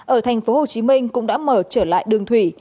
ở tp hcm cũng đã mở trở lại đường thủy